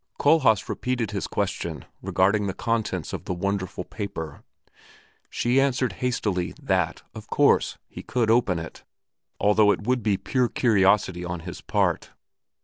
Kohlhaas repeated his question regarding the contents of the wonderful paper; she answered hastily that, of course, he could open it, although it would be pure curiosity on his part.